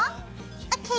ＯＫ！